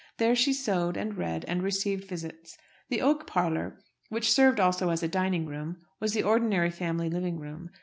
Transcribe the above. There she sewed, and read, and received visits. The oak parlour, which served also as a dining room, was the ordinary family living room.